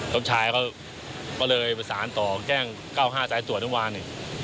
สมชายเขาก็เลยประสานต่อแกล้ง๙๕สายตัวทุ่มวาน